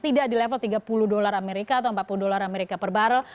tidak di level tiga puluh dolar amerika atau empat puluh dolar amerika per barrel